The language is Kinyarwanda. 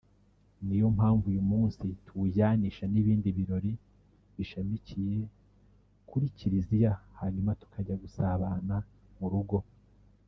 ni yo mpamvu uyu munsi tuwujyanisha n’ibindi birori bishamikiye kuri kiriziya hanyuma tukajya gusabana mu rugo